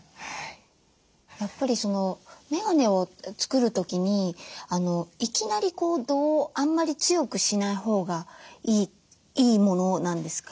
やっぱりメガネを作る時にいきなり度をあんまり強くしないほうがいいものなんですか？